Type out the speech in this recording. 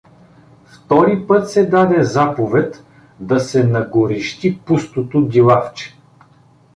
Втори път се даде заповед да се нагорещи пустото дилафче.